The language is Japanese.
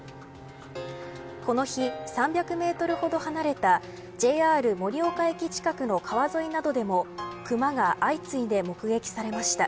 この日、３００メートルほど離れたＪＲ盛岡駅近くの川沿いなどでもクマが相次いで目撃されました。